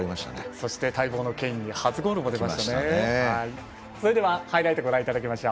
そして待望のケインに初ゴールも出ました。